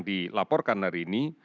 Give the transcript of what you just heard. dilaporkan hari ini